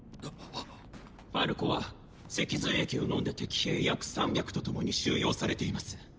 ファルコは脊髄液を飲んだ敵兵約３００と共に収容されています。